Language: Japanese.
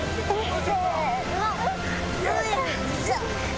よいしょ！